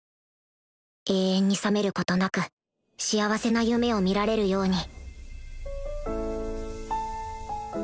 永遠に覚めることなく幸せな夢を見られるように